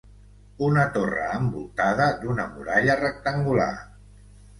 Una torre envoltada d'una muralla rectangular.